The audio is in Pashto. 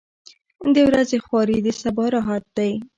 • د ورځې خواري د سبا راحت دی.